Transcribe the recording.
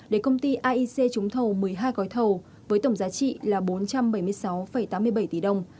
để công ty aic trúng thầu một mươi hai gói thầu với tổng giá trị là bốn trăm bảy mươi sáu tám mươi bảy tỷ đồng